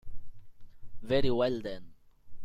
Very well, then.